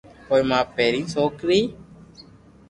پوءِ مان پهرين سوڪري